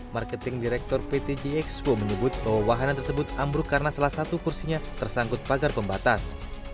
marketing direktur pt g expo menyebut bahwa wahana tersebut ambruk karena salah satu kursinya tersangkut pagar pembatas